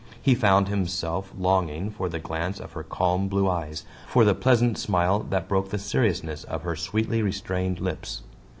He found himself longing for the glance of her calm blue eyes, for the pleasant smile that broke the seriousness of her sweetly restrained lips.